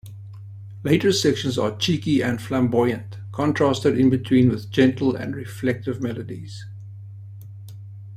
Later sections are cheeky and flamboyant, contrasted in between with gentle and reflective melodies.